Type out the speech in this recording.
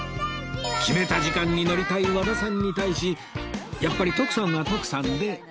決めた時間に乗りたい和田さんに対しやっぱり徳さんは徳さんで